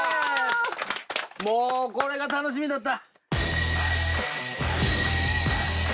もうこれが楽しみだった！